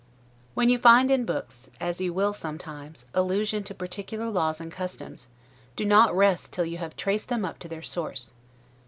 When you find in books: (as you will sometimes) allusion to particular laws and customs, do not rest till you have traced them up to their source.